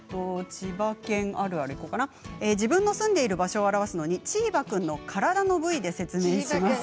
それから自分の住んでいる場所を表すのにチーバくんの体の部位で説明をします。